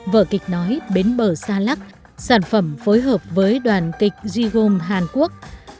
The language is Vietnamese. vợ kịch nói bến bờ xa lắc sản phẩm phối hợp với đoàn kịch jigong hàn quốc